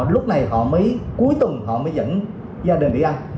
lúc này họ mới cuối tuần họ mới dẫn gia đình để ăn